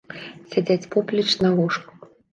Сядзяць поплеч на ложку.